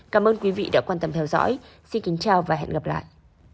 cảm ơn quý vị đã quan tâm theo dõi xin kính chào và hẹn gặp lại